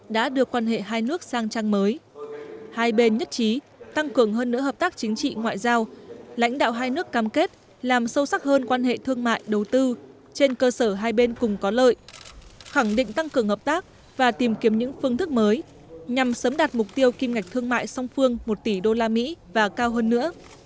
đã đưa quan hệ hai nước sang trang mới hai bên nhất trí tăng cường hơn nữa hợp tác chính trị ngoại giao lãnh đạo hai nước cam kết làm sâu sắc hơn quan hệ thương mại đầu tư trên cơ sở hai bên cùng có lợi khẳng định tăng cường hợp tác và tìm kiếm những phương thức mới nhằm sớm đạt mục tiêu kim ngạch thương mại song phương một tỷ usd và cao hơn nữa